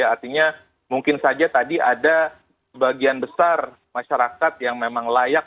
artinya mungkin saja tadi ada sebagian besar masyarakat yang memang layak